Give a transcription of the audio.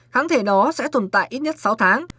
kháng thể nó sẽ tồn tại ít nhất sáu tháng